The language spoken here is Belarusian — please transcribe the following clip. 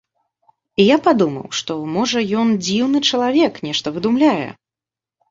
І я падумаў, што, можа, ён дзіўны чалавек, нешта выдумляе.